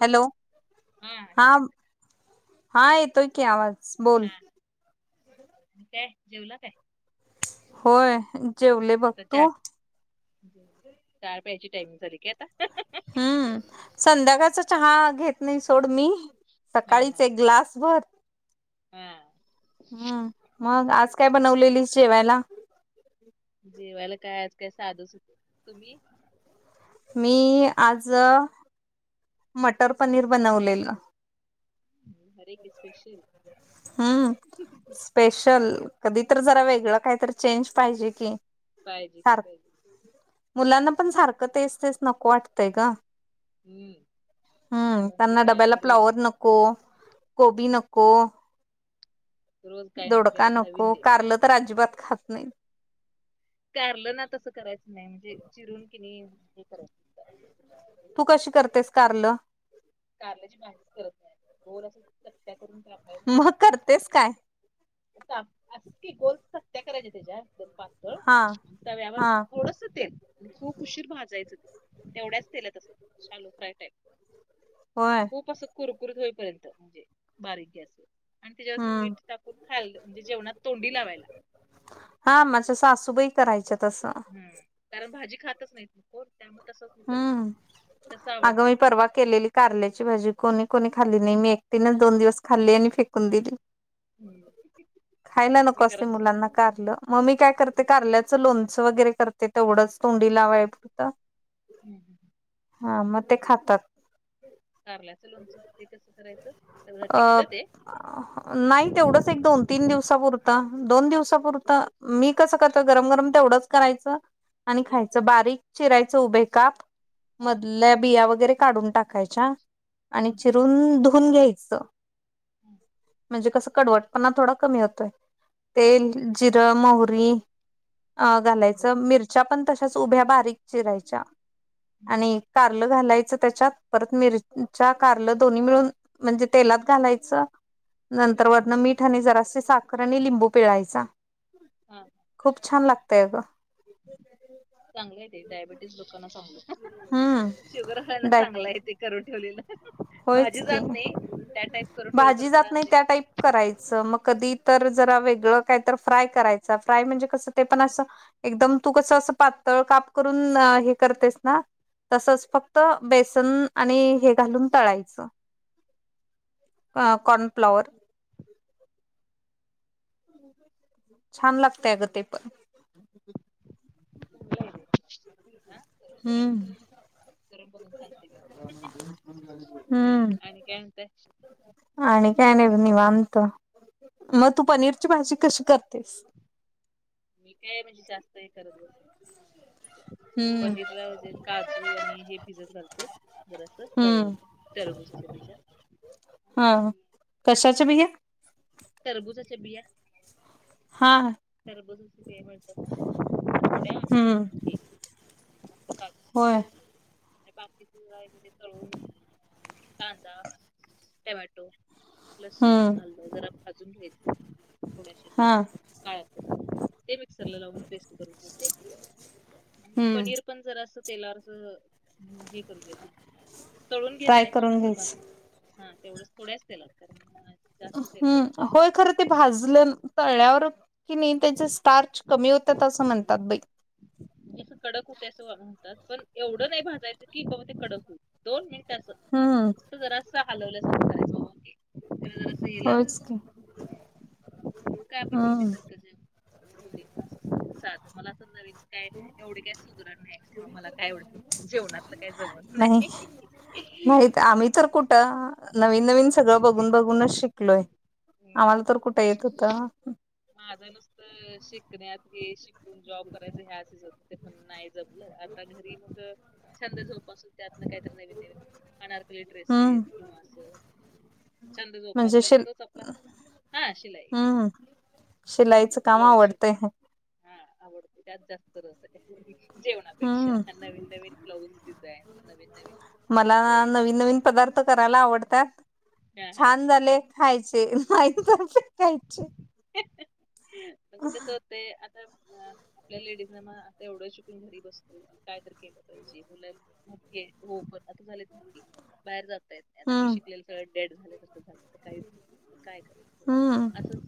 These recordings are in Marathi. हॅलो हा ऐकू येतंय हा येतोय की आवाज हा बोल आणि काय जेवला काय होय जेवले बघ तू चार पहाची टाइमिंग झाली का आता हम्म संध्याकाळचा चहा घेत नाही सोड मी सकाळीचे ग्लासवरर हम् हम्म मग आज काय बनवलेली जेवायला जेवायला काय आज काय साधू सु तुम्ही मी आज मटर पनीर बनवलेलं हर एक स्पेशल हम्म स्पेशल कधी तर जरा हम्म, वेगळं काहीत चेंज पाहिजे की पाहिजे कि सारख पाहिजे मुलांना पण सारखं तेच तेच नको वाटतंय का हम्म हम्म मुलांचं त्यांना काय डब्याला रोज फ्लावर नको नको कोबी नको रोज काय नाही तर दोडका काय नको नवीन दे कारल तर अजिबात खात नाही कारलं ना तसं करायचं नाही म्हणजे चिरून कि नाही हे करायच तू कशी करतेस कारल कारल्याची भाजीच करत नाही गोल अस सत्या करून का मग करतेस काय आता असं की गोलत हत्या करायच्या त्याच्या दम पातळ हा आणि त्या व्याम हा थोडस तेल आणि खूप उशीर भाजायचं ते तेवढ्याच तेल तसं शालो फ्राय टाईप वर खूप अस कुरकुरत होईपर्यंत म्हणजे बारीक गॅस आणि त्याच्याून हम्म मीठ टाकून खाल्लं म्हणजे जेवणात तोंडी लावायला हा माझ्या सासूबाई करायच्या तसं हम् कारण भाजी खातच नाहीत कोण त्यामुळे तसंच मी हम्म करते तसं अगं आवडते मी परवा केलेली कारल्याची भाजी कोणी कोणी खाल्ली नाही मी एकटीनच दोन दिवस खाल्ली आणि फेकून दिली मी खायला नको असते मुलांना कारलं मग मी काय करते कारल्याचं लोणचं वगैरे करते तेवढंच तोंडी लावाय पुरतं हम् ह हा मग ते खातात कारलाच लोनच ते कसं करायचं तर टिकत अ ते नाही तेवढंच एक दोन तीन दिवसापुरत दोन दिवसापुरत मी कसं हा करतो गरम गरम तेवढंच करायचं आणि हा खायचं बारीक चिरायचं उभे काप हा मधल्या बिया वगैरे काढून टाकायच्या आणि चिरून धुऊून घ्यायचं हम् म्हणजे कसं कडवटपणा थोडा कमी होतोय हा हा तेल जिरं मोहरी अ बरं घालायचं मिरच्या पण तशच उभ्या बारीक चिरायच्या आणि कारलं घालायचं त्याच्यात परत मिरच्या कारल दोन्ही मिळून म्हणजे तेलात घालायचं नंतर हा वन हा मीठ आणि जरासे साखर आणि लिंबू पिळायचा हा खूप छान लागतय ग चांगलं आहे ते डायबिटीस लोकांना चांगलं हम्म शुगर करणं डाय चांगलं आहे ते करून ठेवलेलं होयच भाजी की जात नाही त्या टाईप करून ठेवलं तर भाजी जात जरा नाही म्हणजे त्या टाईप करायचं मग कधी तर जरा वेगळं काय तर फ्राय करायच फ्राय म्हणजे कसं ते पण असं एकदम तू कस असं पातळ काप करून हे करतेस ना तसच फक्त बेसन आणि हे घालून तळायचं कॉर्नफ्लॉवर छान लागतय अगं ते पण चांगलं आहे हम्म तर बघून सांगते तलं हम्म आणि काय म्हणतय आणि काय नाही निवनत मग तू पनीरची भाजी कशी करतेस मी काय म्हणजे जास्त हे करत बस हम्म. पनीर ला म्हणजे काजू आणि हे भिजत घालते बर अस स हम्म टरबूजी च्या हा कशाच्या बिया तरबूजाच्या बिया हा सरबळतो [inaudible] हम्म आपलं काजू होय. आणि बाकीची आहे म्हणजे तळूण कांदा टमॅटो हम्म लसूण हलद जरा भाजून घ्यायचं थोड्याशा हा. तेलावर काळ ते मिक्सरला लावून पेस्ट करून घेते आणि हम्म पनीर पण जरा अस तेलावरच हे करून घ्यायच. तळून घेत फ्राय नाही करून असं बघ घ्यायच. हा तेवढंच थोड्याच त्याला कारण जास्त तेलकट हम् होते होय खरं ते भाजलं तळ्यावर कि नाही त्याचे स्टार्च कमी होतात असं म्हणतात बाई जसं कडक हो तसं म्हणतात पण एवढं नाही भाजायचं की बाबा ते कडक हो दोन मिनिट हम्म फ जरा अस हालवलं होच कि. मग काय आपण नेहमी सारखं ज हो अस साध मला असं नवीन काय एवढी काय सुगरण नाही तेव्हा मला काय आवड जेवणातलं काय जमत नाही. माहित आम्ही तर कुठं नवीन नवीन सगळं बघून बघूनच शिकलोय. आम्हाला तर कुठे येत होता. माझं नुसत शिकण्यात हे शिकून जॉब करायचं हे असेच ते पण नाही जमलं. घरी मग छंद झोप असून त्यात ना काय नथ हम्म. ड्रेसेस किंवा छ म्हणजे जोासय शिल त [inaudible] हम्म शिलाईचं काम ब्लाऊज आवडतंय हे हा आवडतो त्यात जास्त रस आहे. जेवणापेक्षा हम्म नवीन नवीन ब्लाऊज डिझाईन नवीन नवीन ड्रेस न नवीन पदार्थ करायला आवडतात हा हा छान झाले खायचे नाहीत खायचे म्हणजे कस होत आता अ आपल्या लेडीज ना मग आता एवढं शिकून घरी बसतो काय तर केलं पाहिजे मुला, के हो पण आता झाले नती बाहेर जात [inaudible] मी हम्म शिकलेलं सगळं डेड झालं तसं झालं काही नाहीग कायय हा अ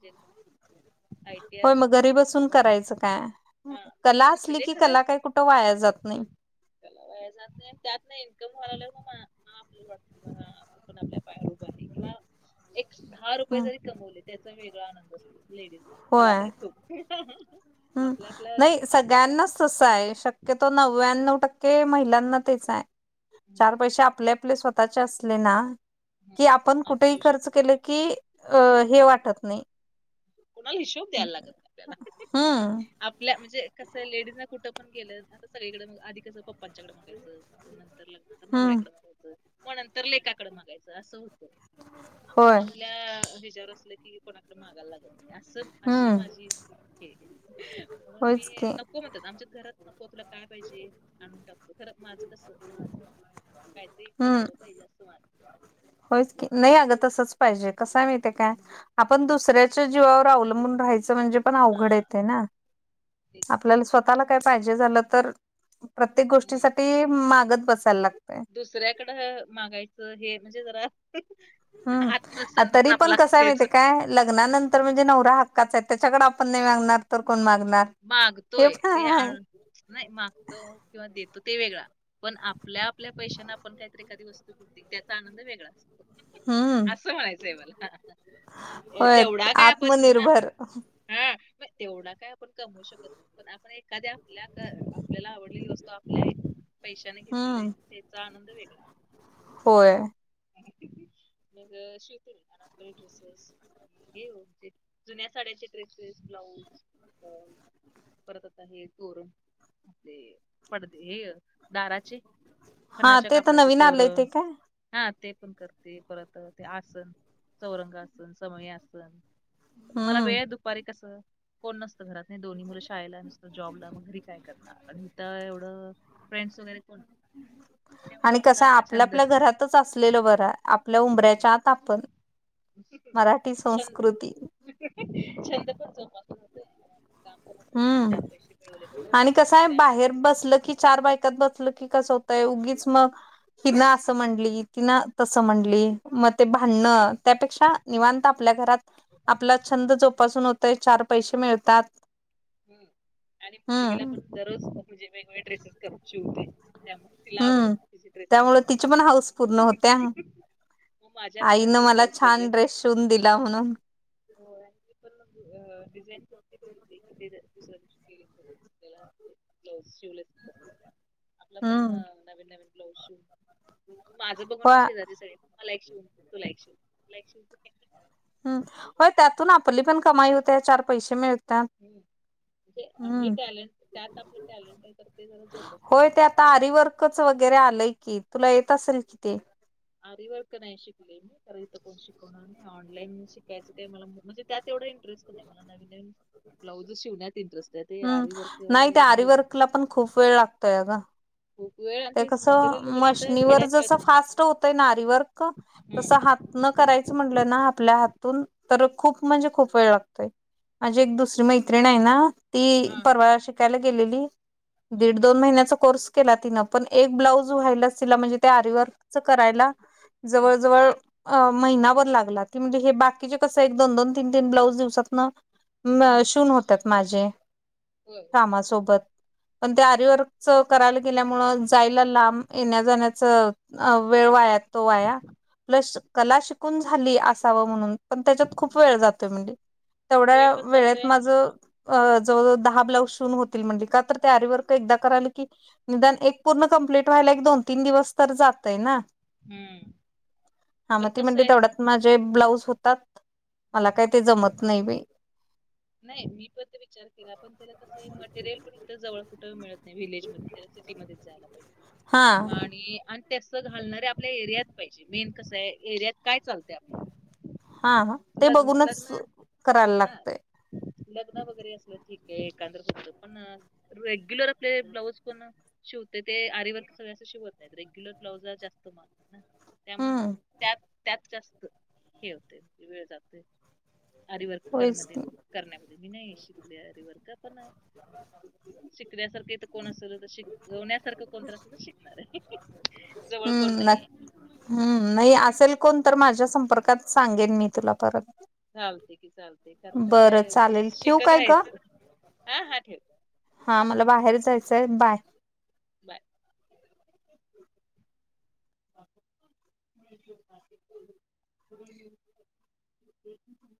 ते होय मग घरी बसून समोर करायचं काय. हा कला असली शिकले की कला काही कुठं वाया जात नाही. कला वया जात नाही त्यात नाही इन्कम व्हायला आपली वाटती ब आपण आपल्या पायावर उभ आहे. म एक दहा रुपये हम्म जरी कमवले त्याचा वेगळा आनंद असतो लेडीजला मला होय तरी खूप. ह. हम्म नाही सगळ्यांनाच. स आहे शक्यतो नव्याण्णव टक्के महिलांना तेच आहे. चार हम्म पैसे आपले आपले स्वतःचे असले ना. की आपण कुठेही आत्मविश्वास खर्च केलं की हे वाटत नाही. कोणाला हिशोब द्यायला लागत नाही आपल्याला हम्म आपल्या म्हणजे. कसं लेडीज न कुठं पण गेलं आता सगळीकडेंग आधी कसं पप्पांच्याकडे मागायचं नंतर लग्न हम्म नवऱ्याकड मागायचं मग नंतर लेकाकड मागायचं असं होतं. आपण होय आपल्या हिच्या्यावर असल कि कोणाकडे महागायला लागत असं अशी हम्म माझी हे म्हणून मी होयच की न, को म्हणतात आमच्यात घरात नको तुला काय पाहिजे आणून टाकतो खर माझं कसं माझ मला. काही तरी हम्म कमवलं पाहिजे, अस वाट होयच की, नाही अगं तसच पाहिजे, कस माहिती काय, आपण दुसऱ्या जीवावर अवलंबून म्हणजे पण हा अवघड आहे ते ना, तेच तर आपल्याला स्वतः आपल्याला काय पाहिजे झालं, तर प्रत्येक गोष्टी हम्म साठी मागत बसायला लागत. दुसऱ्याकडं मागायचं, हे म्हणजे जरा हम्म तरी आत्मसन्मान पण आपला कस हाय माहिती तेच हाय काय हम्म. लग्नानंतर म्हणजे नवरा हक्काच आहे, त्याच्याकडे आपण नाही मागणार तर कोण मागणार? हे मागतोय ते पण आहे आण, नाही मागतो किंवा देतो ते वेगळा पण आपल्या- आपल्या पैशांना आपण काहीतरी एखादी वस्तू घेते, त्याचा आनंद वेगळा असतो. हम्म असं म्हणायचंय मला, होय तेवढा काय आपण--हा, आत्मनिर्भर हा म तेवढा काय ण कमवू शकत नाही पण आपण एखाद्या आपल्या, आपल्याला आवडलेली वस्तू आपल्या पैशाने घेतलेले आहे, हम्म त्याचा आनंद वेगळा. होय. असं. मग [unintelligible] ड्रेसेस, हे ओ जे जुन्या साड्याचे ड्रेसेस, ब्लाऊज. परत आता हे तोरण, आपले पडदे हे दाराचे, हा खणाच्या ते तर कापडाचे नवीन आलंय ते तोरण, काय हा ते पण करते. परत ते आसन, चौरंगासन, समई आसन. मला हम्म वेळ आहे, दुपारी कस, कोण नसतं घरात नी दोन्ही मुलं शाळेला, मिस्टर जॉबला, मग घरी काय करणार, आणि इथं एवढं, फ्रेंड्स वगैरे कोण त्यामुळे आणि कस आपला आपला आपल्या- छंद आपल्या घरात, असलेल बर. आपल्या हम्म. ऊंबऱ्याच्या आत आपण. मराठी छंद संस्कृती, छंद पण जोपासला जातोय. हम्म जातात. आणि कसं आहे, त्यामुळे बाहेर बसल की चार बायक बसलं की कसं होतंय उगीच मग, हि ना असं म्हणली, ति ना, तसं म्हणली मग ते भांडणं त्यापेक्षा, निवांत आपल्या घरात, आपला छंद जोपासून होतय, चार पैसे मिळतात. हुं आणि मुलगीला हम्म पण दररोज म्हणजे वेगवेगळे ड्रेसेस कर शीवते त्यामुळे, तिला आवड हम्म तीचे जे ड्रेस, त्यामुळे तिची पण हाऊस पूर्ण होत्या मग माझ्या मला आईनं जे लाऊज पाहिजे, छान ड्रेस शिवून दिला म्हणून होय, मी पण म्हणजे अ डिजाईन कोणती बघितली. थ दुसऱ्या दिवशी केली त्याला ब्लाउज शिवलेस होता तो. आपला पण हम्म नवीन नवीन ब्लाउज शिवून माझं बघुन मग होय शेजारी सगळे, मला एक शिव, तुला एक शिव. [inaudible] हम होय त्यातून आपली पण कमाई होते. चार पैसे मिळते ह म्हणजे हे टॅलेंट त्यात आपलं टॅलेंट आहे तर ते जरा जोपसले पाहिजे. आरिवर्क च वगैरे आलंय की, तुला येत असेल कि ते. आरीवर्क नाही शिकले मी तर इथं कोण शिकवणार नाही. आणि ऑनलाईन शिकायचं काय मला म्हणजे त्यात एवढा इंटरेस्ट पण नाही मला नवीन नवीन ब्लाउज शिवण्यात इंटरेस्ट आहे ते हम्म. आरी वर्क नाही ते वगैरे एवढा आरीवर्कला इंटरेस्ट पण खूप वेळ लागतोय ग. खूप वेळ आणि ते तेच मटेरियल कसं वगैरे इथं मशनीवर खेड्यात जस मिळत नाही फास्ट होतंय ना आरी वर्क हम्म. तसं हातन करायचं म्हटलं ना, आपल्या हातून, तर खूप म्हणजे खूप वेळ लागतोय. माझी एक दुसरी मैत्रिण आहे ना, ती हा परवा शिकायला गेलेली हम्म दीड -दोन महिन्याचा कोर्स केला तिनं. पण एक ब्लाउज व्हायलाच तिला म्हणजे ते आरिवर्क च करायला जवळ हम्म. जवळ अ महिनाभर लागला. ती म्हणजे हे बाकीचे कसं एक दोन दोन, तीन तीन, ब्लाऊज दिवसात ना हम्म. शिहून होतात माझे, होय कामासोबत पण त्या हम्म. आरीवर्क करायला गेल्या मूळ जायला, लांब येण्या जाण्याच वेळ वाया, तो वाया प्लस कला शिकून झाली, असाव म्हणून पण त्याच्यात खूप हम्म. वेळ जातोय म्हणजे. वेळ तेवढ्या पण वेळेत जातोय माझ, अ जवळजवळ दहा ब्लाउज शिवून होतील म्हणले, का तर त्या आरीवर्क का एकदा, कराल की निदान एक पूर्ण कंप्लीट व्हायला एक, दोन, तीन दिवस तर जातय ना. हम्म हा मग पण त कसं म्हणतेे आहे तेवढ्यात, माझे ब्लाऊज होतात. मला काही ते, जमत नाही बाई. नाही मी पण ते विचार केला, पण त्याला कसं मटेरियल पण इथ जवळ कुठं मिळत नाही. व्हलेजमध्ये त्याला सिटीमध्ये जायला, हा आणि, त्यास घालणारे आपल्या एरियात पाहिजे, मेन कसं आहे एरियात काय चालतय आपलं, हा हा ते बघूनच, करायला हा लागतय, लग्न वगैरे असलं ठीक आहे, एकादरीत पण रेग्युलर आपले ब्लाउज कोण, शिवते ते आरीवर सगळ्या, असं शिवत नाहीत रेग्युलर ब्लाउज जास्त मगत ना. त्यामुळे हम्म त्यात त्यात जास्त, हे होते वेळ जातोय, अरीवर्कर होयच मध्ये की करण्यामध्ये, मी नाही शिकले अरिवर्क, पण शिकण्यासारखंथ कोण असल तर, शिकवण्या सारखं कोणत अस तर शिकणार आहे, जवळ कोण हम्म नाहीे. नक् हम्म नाही असेल, कोण तर माझ्या संपर्कात सांगेन मी, तुला परत. चालते की चालते कारण बरं कसंय, चालेल ठेवू शिकत काय ग? राहायचं, हा, हा ठेव. हा मला बाहेर जायचंय, बाय. बाय, [unintelligible] [unintelligible]